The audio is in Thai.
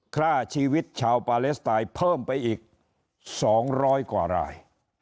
ฆ่าชีวิตชาวปาเลสไตน์เพิ่มไปอีก๒๐๐กว่าราย